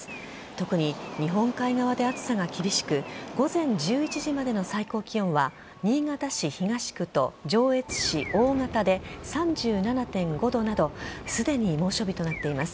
特に日本海側で暑さが厳しく午前１１時までの最高気温は新潟市東区と上越市大潟で３７．５度などすでに猛暑日となっています。